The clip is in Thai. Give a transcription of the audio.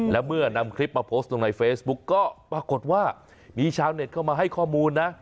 และเมื่อนำคลิปมาโพสต์ลงในเฟซบุ๊กก็ปรากฏว่ามีชาวเน็ตเข้ามาให้ข้อมูลนะ